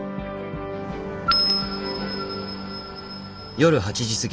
夜８時過ぎ。